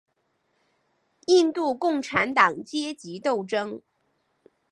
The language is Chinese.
印度共产党阶级斗争。